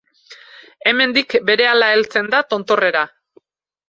Hemendik, berehala heltzen da tontorrera.